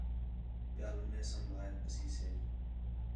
ٻیال میثم بھاک ݙسیسے